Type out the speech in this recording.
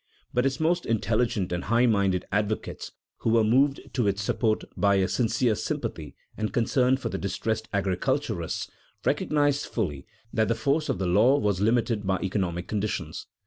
But its most intelligent and high minded advocates (who were moved to its support by a sincere sympathy and concern for the distressed agriculturalists) recognized fully that the force of the law was limited by economic conditions.